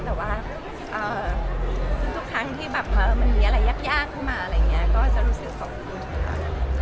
แต่ว่าทุกครั้งมันมีอะไรยากขึ้นมาก็จะรู้สึกขอบคุณค่ะ